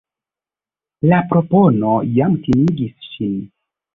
La propono ja timigis ŝin.